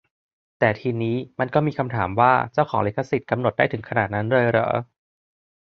แต่ทีนี้ มันก็มีคำถามว่า เจ้าของลิขสิทธิ์กำหนดได้ถึงขนาดนั้นเลยเหรอ